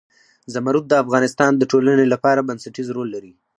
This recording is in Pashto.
زمرد د افغانستان د ټولنې لپاره بنسټيز رول لري.